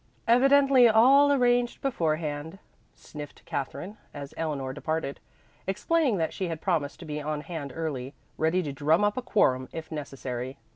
"Evidently all arranged beforehand," sniffed Katherine, as Eleanor departed, explaining that she had promised to be on hand early, ready to drum up a quorum if necessary.